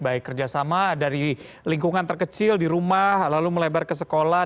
baik kerjasama dari lingkungan terkecil di rumah lalu melebar ke sekolah